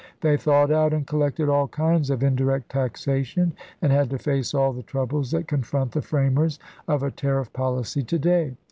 They thought out and collected all kinds of indirect taxation and had to face all the troubles that confront the framers of a tariff policy to day.